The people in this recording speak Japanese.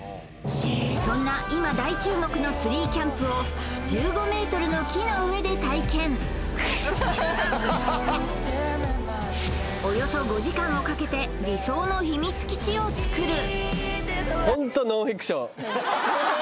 そんな今大注目のツリーキャンプをおよそ５時間をかけて理想の秘密基地を作る！